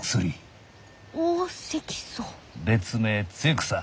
別名露草。